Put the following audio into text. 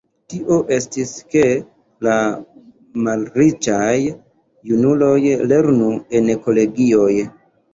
Tio estis, ke la malriĉaj junuloj lernu en kolegioj.